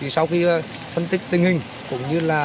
sau khi phân tích tình hình cũng như là